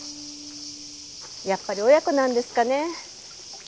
やっぱり親子なんですかね。